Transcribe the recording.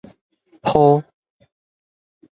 鋪